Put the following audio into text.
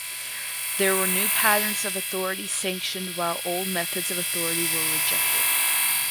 There were new patterns of authority sanctioned while old methods of authority were rejected.